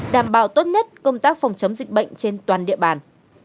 đảm bảo tốt nhất công tác phòng chống dịch bệnh trên toàn địa bàn